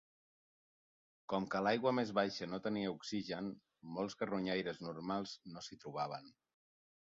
Com que l'aigua més baixa no tenia oxigen, molts carronyaires normals no s'hi trobaven.